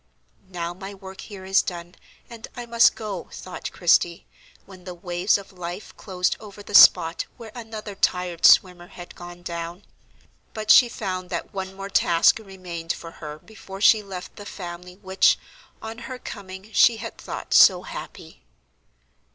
"Now my work here is done, and I must go," thought Christie, when the waves of life closed over the spot where another tired swimmer had gone down. But she found that one more task remained for her before she left the family which, on her coming, she had thought so happy.